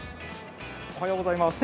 おはようございます。